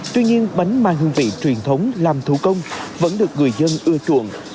tuy nhiên bánh mang hương vị truyền thống làm thủ công vẫn được người dân ưa chuộng